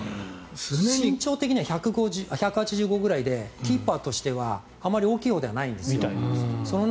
身長的には１８５ｃｍくらいでキーパーとしてはあまり大きいほうではないんです。